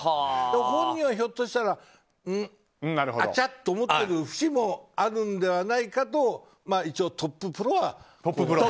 本人はひょっとしたらあちゃーと思ってる節もあるのではないかと一応、トッププロは。